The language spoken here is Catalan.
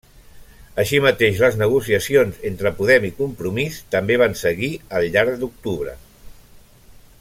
Així mateix, les negociacions entre Podem i Compromís també van seguir al llarg d'octubre.